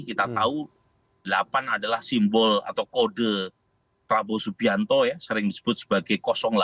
kita tahu delapan adalah simbol atau kode prabowo subianto ya sering disebut sebagai delapan